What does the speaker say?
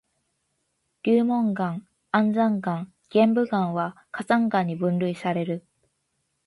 流紋岩、安山岩、玄武岩は火山岩に分類される。